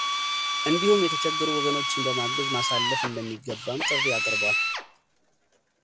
እንዲሁም የተቸገሩ ወገኖችን በማገዝ ማሳለፍ እንደሚገባም ጥሪ አቅርቧል፡፡